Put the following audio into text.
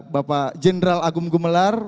bapak general agung gumelar